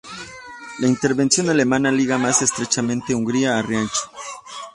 La intervención alemana ligó más estrechamente Hungría al Reich.